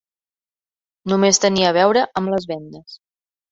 Només tenia a veure amb les vendes.